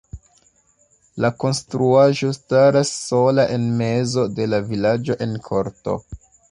La konstruaĵo staras sola en mezo de la vilaĝo en korto.